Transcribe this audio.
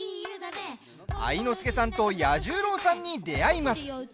愛之助さんと彌十郎さんに出会います。